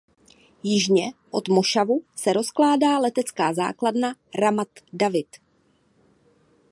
Jižně od mošavu se rozkládá letecká základna Ramat David.